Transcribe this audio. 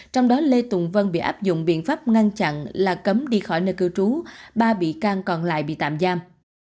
trong đó lê tùng vân bị áp dụng biện pháp ngăn chặn là cấm đi khỏi nơi cư trú ba bị can còn lại bị tạm giam